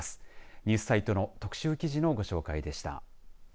ニュースサイトの特集記事のご紹介でした。